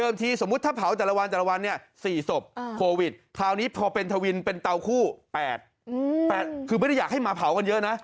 ไม่ได้อยากให้มาเผากันเยอะนะ